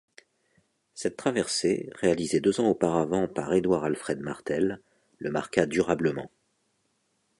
Cette traversée, réalisée deux ans auparavant par Édouard-Alfred Martel, le marqua durablement.